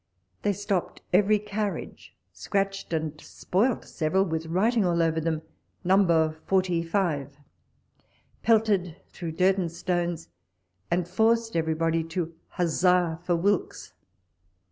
They stopped every carriage, scratched and spoilt several with writing all over them "No. 45," pelted, threw dirt and stones, and forced everybody to huzza for Wilkes.